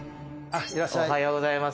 おはようございます。